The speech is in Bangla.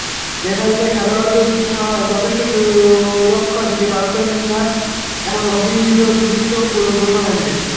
রেফারিরা খেলোয়াড়দের যথেষ্ট সুরক্ষা দিতে পারছেন না, এমন অভিযোগদুষ্ট পুরো টুর্নামেন্টই।